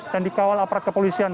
dan dikawal aparat kepolisian